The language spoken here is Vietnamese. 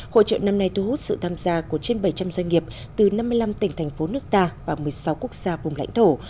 hội trợ năm nay thu hút sự tham gia của trên bảy trăm linh doanh nghiệp từ năm mươi năm tỉnh thành phố nước ta và một mươi sáu quốc gia vùng lãnh thổ